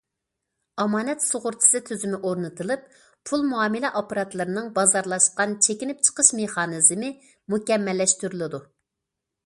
ئامانەت سۇغۇرتىسى تۈزۈمى ئورنىتىلىپ، پۇل مۇئامىلە ئاپپاراتلىرىنىڭ بازارلاشقان چېكىنىپ چىقىش مېخانىزمى مۇكەممەللەشتۈرۈلىدۇ.